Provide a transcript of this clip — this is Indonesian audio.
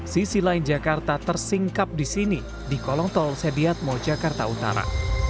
sisi lain jakarta tersingkap di sini di kolong tol sediatmo jakarta utara